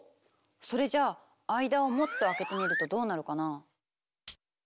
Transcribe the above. それじゃあ間をもっと空けてみるとどうなるかな？